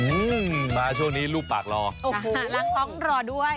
อืมมาช่วงนี้รูปปากรอโอ้โหล้างท้องรอด้วย